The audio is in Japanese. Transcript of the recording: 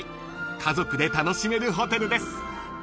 ［家族で楽しめるホテルです］